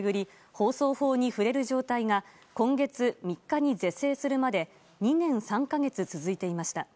放送法に触れる状態が今月３日に是正するまで２年３か月続いていました。